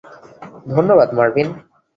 ধন্যবাদ, মার্ভিন।